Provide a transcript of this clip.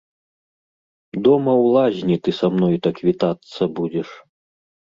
Дома ў лазні ты са мной так вітацца будзеш.